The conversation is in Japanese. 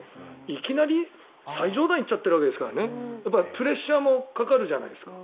いきなり最上段に行っちゃってるからプレッシャーもかかるじゃないですか。